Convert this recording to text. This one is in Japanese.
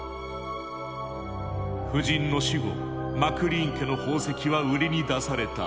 夫人の死後マクリーン家の宝石は売りに出された。